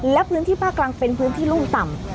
และพื้นที่ภาคกลางเป็นพื้นที่รุ่มต่ำ